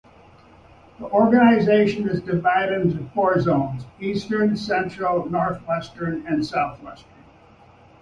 The organization is divided into four zones: Eastern, Central, Northwestern, and Southwestern.